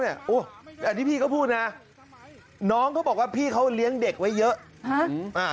อันนี้พี่เขาพูดนะน้องเขาบอกว่าพี่เขาเลี้ยงเด็กไว้เยอะ